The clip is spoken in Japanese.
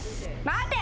待て。